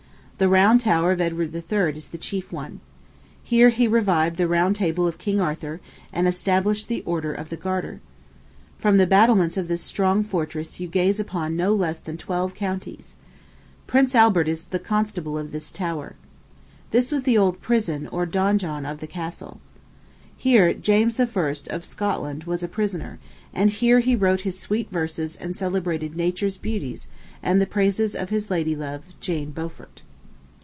The round tower of Edward III. is the chief one. Here he revived the round table of King Arthur, and established the Order of the Garter. From the battlements of this strong fortress you gaze upon no less than twelve counties. Prince Albert is constable of this tower. This was the old prison, or donjon of the castle. Here James I. of Scotland was a prisoner, and here he wrote his sweet verses and celebrated Nature's beauties and the praises of his lady love, Jane Beaufort.